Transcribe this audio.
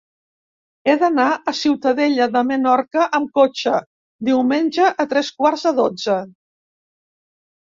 He d'anar a Ciutadella de Menorca amb cotxe diumenge a tres quarts de dotze.